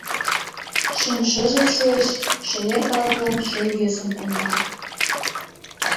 Шем шыжет шуэш, Шемер калыклан шем йӧсым конда.